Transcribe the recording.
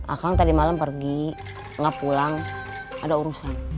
akang tadi malem pergi gak pulang ada urusan